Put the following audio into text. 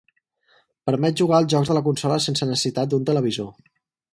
Permet jugar als jocs de la consola sense necessitat d'un televisor.